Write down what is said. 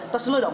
tes dulu dong